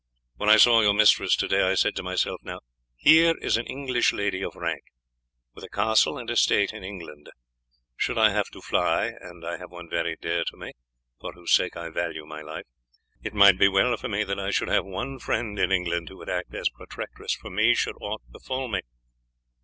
When I saw your mistress to day I said to myself: Here is an English lady of rank, with a castle and estate in England; should I have to fly and I have one very dear to me, for whose sake I value my life it might be well for me that I should have one friend in England who would act as protectress to her should aught befall me.